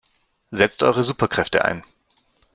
Setzt eure Superkräfte ein!